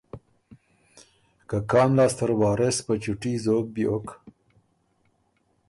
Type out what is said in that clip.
که کان لاسته ر وارث په چُوټي زوک بیوک